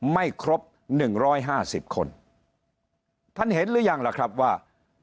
ไม่ครบหนึ่งร้อยห้าสิบคนท่านเห็นหรือยังล่ะครับว่า